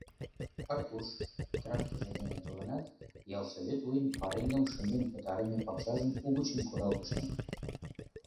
Аркуш тракторжо дене толынат, ялсовет вуйын пареҥгым шынден пытарыме пакчажым угыч курал пыштен.